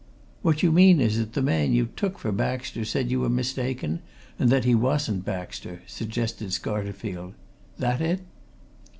"What you mean is that the man you took for Baxter said you were mistaken, and that he wasn't Baxter," suggested Scarterfield. "That it?"